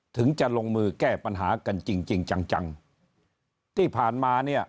ถึงจะลงมือแก้ปัญหากันจริงจริงจังจังที่ผ่านมาเนี่ย